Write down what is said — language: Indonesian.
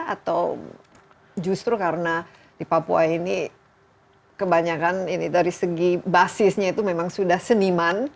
atau justru karena di papua ini kebanyakan ini dari segi basisnya itu memang sudah seniman